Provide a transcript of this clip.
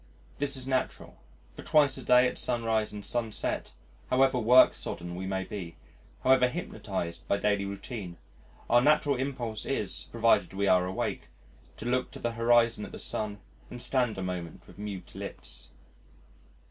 This is natural, for twice a day at sunrise and sunset however work sodden we may be, however hypnotised by daily routine our natural impulse is (provided we are awake) to look to the horizon at the sun and stand a moment with mute lips.